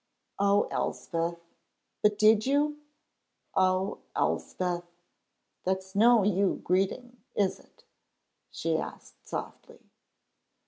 "Oh, Elspeth!" "But did you?" "Oh, Elspeth!" "That's no you greeting, is it?" she asked, softly.